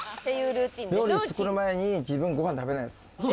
料理作る前に自分ご飯食べないです。